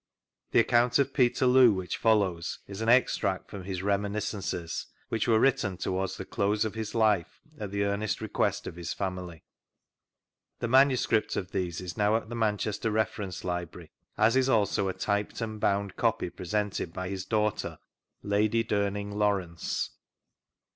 The account of Peterloo which follows is an extract from his " Reminiscences," which were written towards the close of his life a^ the earnest request of his family. The manuscript of these is now at the Manchester Refeiience Library, as is also a typed and bound copy presented by his daughter. Lady Darning Lawrence.